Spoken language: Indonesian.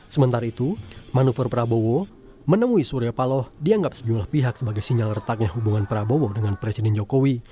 sementara itu manuver prabowo menemui surya paloh dianggap sejumlah pihak sebagai sinyal retaknya hubungan prabowo dengan presiden jokowi